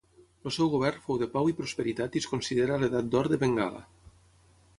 El seu govern fou de pau i prosperitat i es considera l'edat d'or de Bengala.